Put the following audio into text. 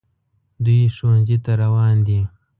دوی ښوونځي ته روان دي